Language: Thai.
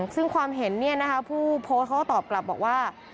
ซึ่งความเห็นผู้โพสต์เขาก็ตอบกลับบอกว่า